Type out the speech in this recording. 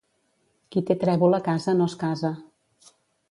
Qui té trèvol a casa no es casa.